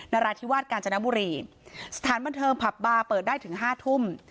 ราธิวาสกาญจนบุรีสถานบันเทิงผับบาร์เปิดได้ถึงห้าทุ่ม